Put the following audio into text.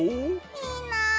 いいなあ。